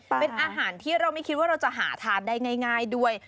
เป็นอาหารที่เราไม่คิดว่าเราจะหาทานได้ง่ายด้วย